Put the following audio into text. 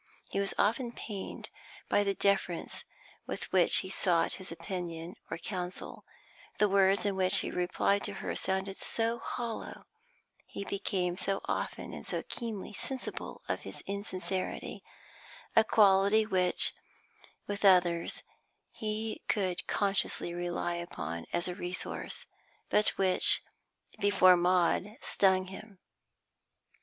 He was often pained by the deference with which she sought his opinion or counsel; the words in which he replied to her sounded so hollow; he became so often and so keenly sensible of his insincerity, a quality which, with others, he could consciously rely upon as a resource, but which, before Maud, stung him.